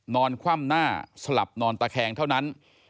คว่ำหน้าสลับนอนตะแคงเท่านั้น